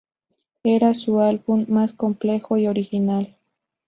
Era su álbum más complejo y original.